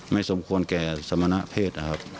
ไม่สมควรแก่สมณะเพศครับ